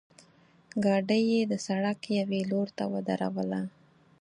ګاډۍ یې د سړک یوې لورته ودروله.